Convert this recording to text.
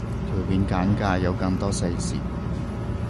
條片簡介有更多細節